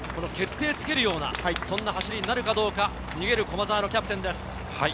自分自身が決定づけるような走りになるかどうか、逃げる駒澤のキャプテンです。